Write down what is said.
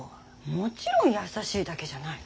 もちろん優しいだけじゃない。